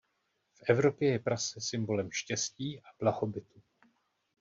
V Evropě je prase symbolem štěstí a blahobytu.